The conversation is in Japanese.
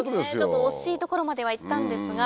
惜しいところまでは行ったんですが。